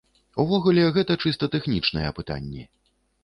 Увогуле, гэта чыста тэхнічныя пытанні.